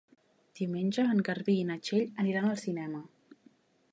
Diumenge en Garbí i na Txell aniran al cinema.